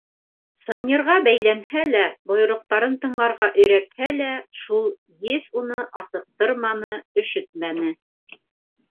Сынйырға бәйләһә лә, бойороҡтарын тыңларға өйрәтһә лә, шул Еҫ уны асыҡтырманы, өшөтмәне.